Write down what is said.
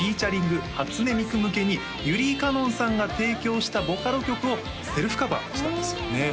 ｆｅａｔ．初音ミク」向けにユリイ・カノンさんが提供したボカロ曲をセルフカバーしたんですよね